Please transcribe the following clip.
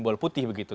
oke bagi itu